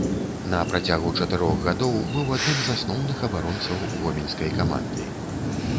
На працягу чатырох гадоў быў адным з асноўных абаронцаў гомельскай каманды.